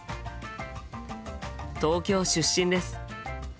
東京出身です。